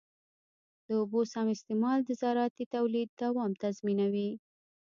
د اوبو سم استعمال د زراعتي تولید دوام تضمینوي.